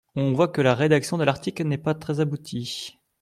On voit que la rédaction de l’article n’est pas très aboutie.